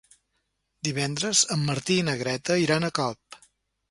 Divendres en Martí i na Greta iran a Calp.